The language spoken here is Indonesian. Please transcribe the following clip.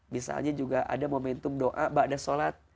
misalnya juga ada momentum doa bada sholat